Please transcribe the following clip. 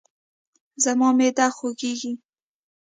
زما معده خوږیږي